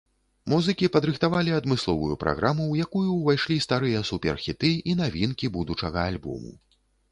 Музыкі падрыхтавалі адмысловую праграму, у якую ўвайшлі старыя супер-хіты і навінкі будучага альбому.